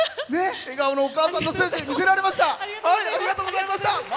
笑顔のお母さんのステージ見せられました。